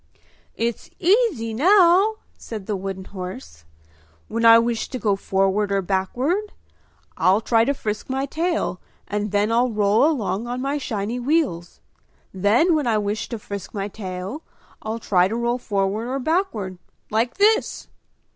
"It's easy now!" said the wooden horse. "When I wish to go forward or backward I'll try to frisk my tail and then I'll roll along on my shiny wheels; then when I wish to frisk my tail I'll try to roll forward or backward, like this!"